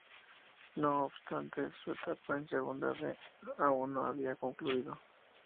No obstante su etapa en Segunda B aún no había concluido.